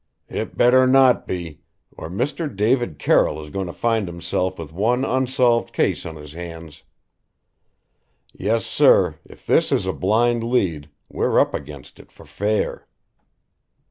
"It better not be or Mr. David Carroll is going to find himself with one unsolved case on his hands. Yes, sir if this is a blind lead, we're up against it for fair."